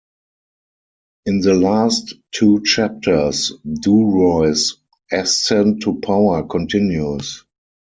In the last two chapters, Duroy's ascent to power continues.